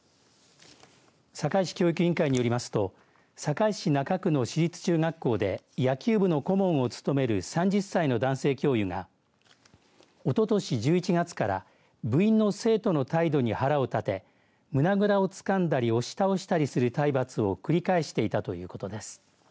堺市教育委員会よりますと堺市中区の市立中学校で野球部の顧問を務める３０歳の男性教諭がおととし１１月から部員の生徒の態度に腹を立て胸ぐらをつかんだり押し倒したりする体罰を繰り返していたということです。